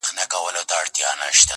چې له سپینې بیړۍ به هم